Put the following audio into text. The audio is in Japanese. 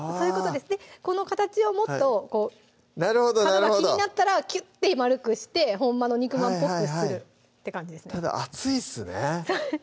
この形をもっと気になったらキュッて丸くしてほんまの肉まんっぽくするただ熱いっすね